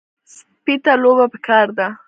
سپي ته لوبه پکار ده.